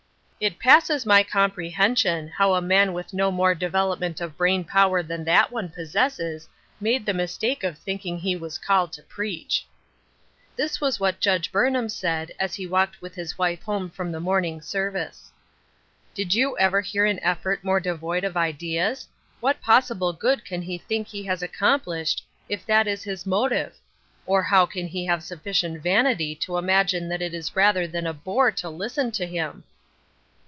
passes my comprehension how a man with no more development of brain power than that one possesses made the mistake of thinking he was called to preach !" This was what Judge Burnham said, as he walked with his wife home from the morning Bervice. " Did you ever hear an effort more devoid ol ideas ? What possible good can he think he has accomplished, if that is his motive? Or low can he have sufficient vanity to imagine that it Is other than a bore to listen to him